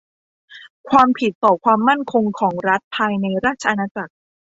ความผิดต่อความมั่นคงของรัฐภายในราชอาณาจักร